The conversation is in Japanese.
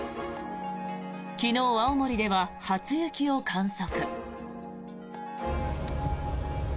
昨日、青森では初雪を観測。